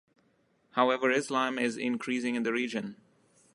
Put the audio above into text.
However Islam is increasing in the region.